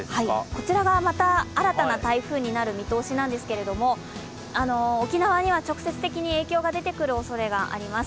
こちらがまた新たな台風になる見通しなんですけど沖縄には直接的に影響が出てくるおそれがあります。